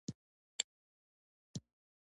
پر سترې محکمې د لګول شویو تورونو څېړنه وشوه.